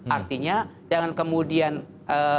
artinya jangan kemudian kami berhentikan